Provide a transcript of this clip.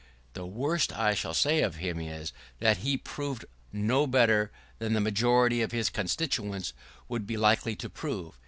The worst I shall say of him is, that he proved no better than the majority of his constituents would be likely to prove.